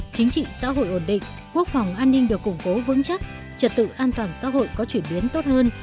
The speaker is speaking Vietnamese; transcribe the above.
chính trị xã hội ổn định quốc phòng an ninh được củng cố vững chắc trật tự an toàn xã hội có chuyển biến tốt hơn